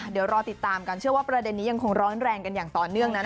เดี๋ยวรอติดตามกันเชื่อว่าประเด็นนี้ยังคงร้อนแรงกันอย่างต่อเนื่องนะ